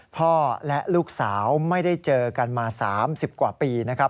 พ่อและลูกสาวไม่ได้เจอกันมา๓๐กว่าปีนะครับ